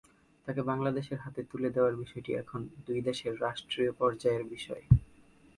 তাঁকে বাংলাদেশের হাতে তুলে দেওয়ার বিষয়টি এখন দুই দেশের রাষ্ট্রীয় পর্যায়ের বিষয়।